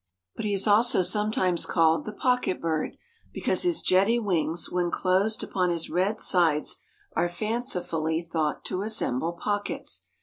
But he is also sometimes called the "pocket bird," because his jetty wings when closed upon his red sides are fancifully thought to resemble pockets.